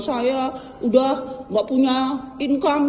saya udah gak punya income